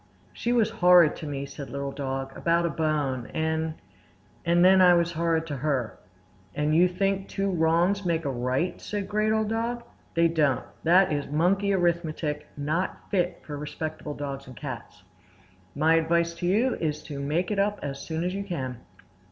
"She was horrid to me," said Little Dog, "about a bone; and—and then I was horrid to her." "And you think two wrongs make a right?" said Great Old Dog. "They don't. That is monkey arithmetic, not fit for respectable dogs and cats. My advice to you is to make it up as soon as you can."